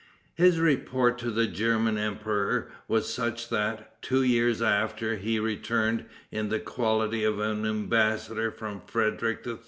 His report to the German emperor was such that, two years after, he returned, in the quality of an embassador from Frederic III.